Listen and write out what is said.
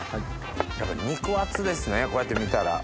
やっぱ肉厚ですねこうやって見たら。